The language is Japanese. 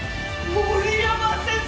森山先生！